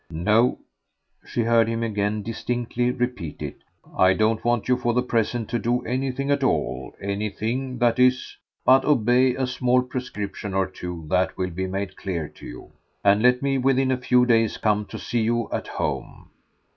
"No," she heard him again distinctly repeat it, "I don't want you for the present to do anything at all; anything, that is, but obey a small prescription or two that will be made clear to you, and let me within a few days come to see you at home."